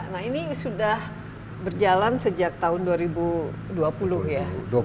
nah ini sudah berjalan sejak tahun dua ribu dua puluh ya